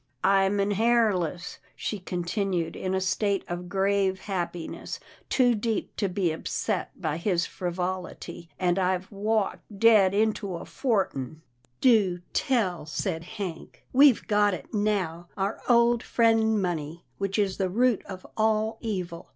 " I'm an hairless," she continued in a state of 298 'TILDA JANE'S ORPHANS grave happiness too deep to be upset by his frivol ity, " an' I've walked dead into a fortin." " Do tell !" said Hank, " we've got it now — our old friend, money, which is the root of all evil.